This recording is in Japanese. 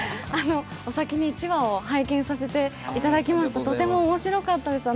お先に１話を拝見ささせていただきましたがとても面白かったです。